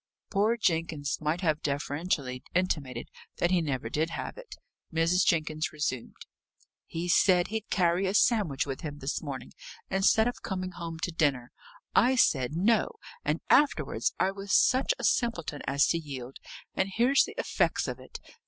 Poor Jenkins might have deferentially intimated that he never did have it. Mrs. Jenkins resumed: "He said he'd carry a sandwich with him this morning, instead of coming home to dinner. I said, 'No.' And afterwards I was such a simpleton as to yield! And here's the effects of it!